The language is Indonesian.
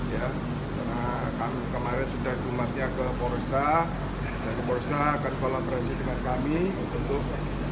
ya karena kami kemarin sudah dumasnya ke polresta ke polresta akan kolaborasi dengan kami untuk